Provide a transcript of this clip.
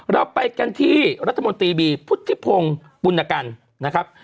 เราไปกันที่รัฐมนตรีบีพุทธิพงศ์ปุณกันนะครับ